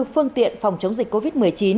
phương tiện phòng chống dịch covid một mươi chín